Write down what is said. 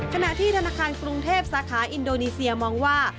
ขณะที่ธนาคารกรุงเทพสาขาอินโดนีเซียมองว่า